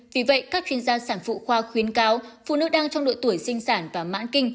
vì vậy các chuyên gia sản phụ khoa khuyến cáo phụ nữ đang trong độ tuổi sinh sản và mãn kinh